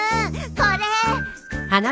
これ！